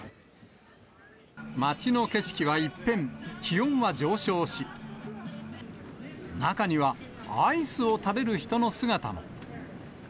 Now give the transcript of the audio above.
街の景色は一変、気温は上昇し、中にはアイスを食べる人の姿も。